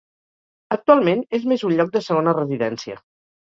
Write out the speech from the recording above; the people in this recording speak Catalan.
Actualment és més un lloc de segona residència.